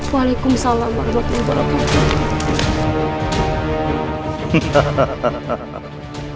waalaikumsalam warahmatullahi wabarakatuh